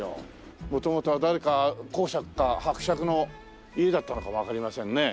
元々は誰か公爵か伯爵の家だったのかもわかりませんね。